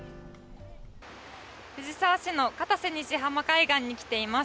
藤沢市の片瀬西浜海岸に来ています。